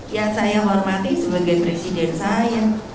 ya saya menghormati sebagai presiden saya